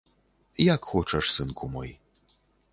Як хочаш, сынку мой.